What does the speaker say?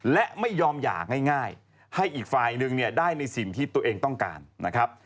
และไม่ยอมหย่าง่ายให้อีกฝ่ายนึงเนี่ยได้ในสิ่งที่ตัวเองต้องการนะครับ